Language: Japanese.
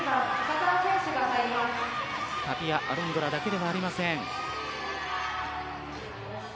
タピア・アロンドラだけではありません。